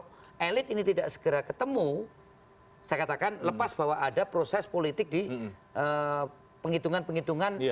kalau elit ini tidak segera ketemu saya katakan lepas bahwa ada proses politik di penghitungan penghitungan